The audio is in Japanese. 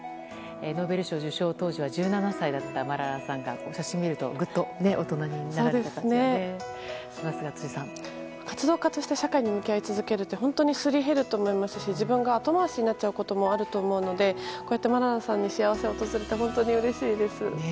ノーベル賞受賞当時は１７歳だったマララさんが写真を見ると、ぐっと大人になられた感じがしますが活動家として社会に向き合い続けるって本当にすり減ると思いますし自分が後回しになることもあると思うのでこうやってマララさんに幸せが訪れて本当にうれしいです。